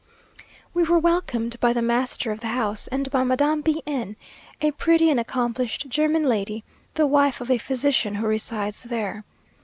We were welcomed by the master of the house, and by Madame B n, a pretty and accomplished German lady, the wife of a physician who resides there.